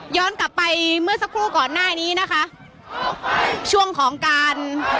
กลับไปเมื่อสักครู่ก่อนหน้านี้นะคะช่วงของการ